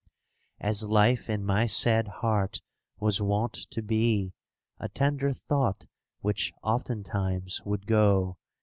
As life in my sad heart was wont to be A tender thought which oftentimes would go.